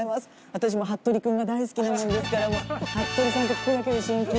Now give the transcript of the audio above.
私も『ハットリくん』が大好きなもんですから服部さんって聞くだけで親近感。